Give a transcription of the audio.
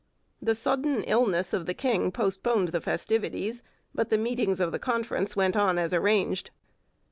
The sudden illness of the king postponed the festivities, but the meetings of the Conference went on as arranged.